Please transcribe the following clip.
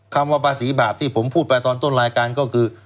คำว่าภาษีบาปที่ผมพูดไปตอนต้นรายการก็คือ